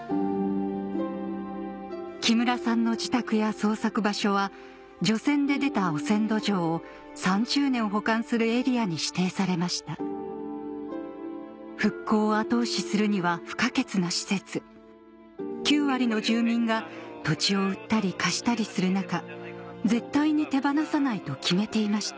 木村さんの自宅や捜索場所は除染で出た汚染土壌を３０年保管するエリアに指定されました復興を後押しするには不可欠な施設９割の住民が土地を売ったり貸したりする中絶対に手放さないと決めていました